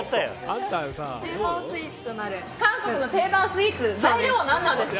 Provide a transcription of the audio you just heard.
韓国の定番スイーツです。